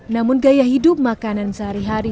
namun gaya hidup makanan sehari hari